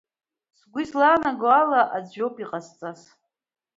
Сгәы излаанаго ала, аӡә иоуп иҟазҵаз.